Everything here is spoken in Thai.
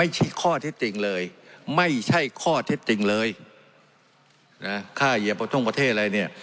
จริงเลยค่าเหยียบทุ่มประเทศอะไรเนี่ย